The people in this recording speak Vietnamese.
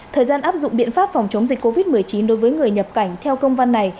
thời gian áp dụng biện pháp phòng chống dịch covid một mươi chín đối với người nhập cảnh theo công văn này